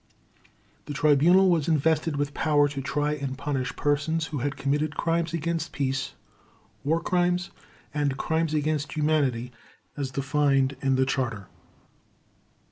The Tribunal was invested with power to try and punish persons who had committed Crimes against Peace, War Crimes, and Crimes against Humanity as defined in the Charter.